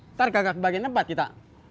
ntar kagak kebagian tempat kita